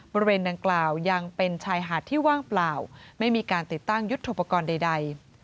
บริเวณดังกล่าวยังเป็นชายหาดที่ว่างเปล่าไม่มีการติดตั้งยุทธโปรกรณ์ใด